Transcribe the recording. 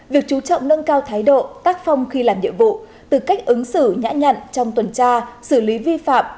việc chú trọng nâng cao thái độ tác phong khi làm nhiệm vụ từ cách ứng xử nhã nhận trong tuần tra xử lý vi phạm